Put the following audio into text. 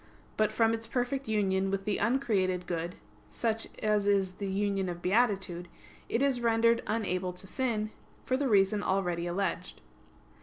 But from its perfect union with the uncreated good, such as is the union of beatitude, it is rendered unable to sin, for the reason already alleged.